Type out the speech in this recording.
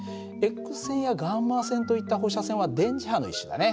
Ｘ線やγ線といった放射線は電磁波の一種だね。